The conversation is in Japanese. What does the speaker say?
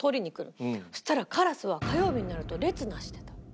そしたらカラスは火曜日になると列なしてた。